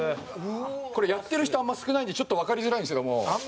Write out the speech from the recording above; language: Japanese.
「これやってる人あんま少ないんでちょっとわかりづらいんですけども」